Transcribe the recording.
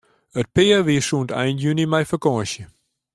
It pear wie sûnt ein juny mei fakânsje.